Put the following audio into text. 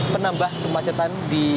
penambah kemacetan di